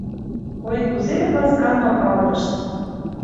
Ой, кузе вет ласкан папалтышт!